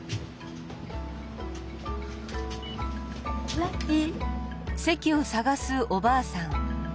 ラッキー！